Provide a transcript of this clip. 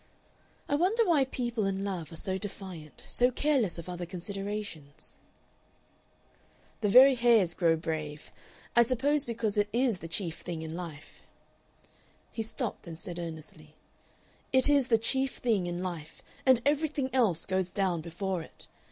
"I wonder why people in love are so defiant, so careless of other considerations?" "The very hares grow brave. I suppose because it IS the chief thing in life." He stopped and said earnestly: "It is the chief thing in life, and everything else goes down before it.